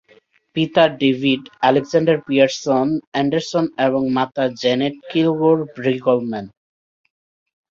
পিতা David Alexander Pearson Anderson এবং মাতা জেনেট কিলগোর ব্রিগলমেন।